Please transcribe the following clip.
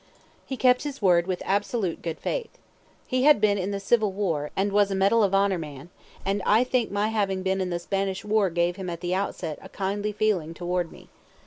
He kept his word with absolute good faith. He had been in the Civil War, and was a medal of honor man; and I think my having been in the Spanish War gave him at the outset a kindly feeling toward me.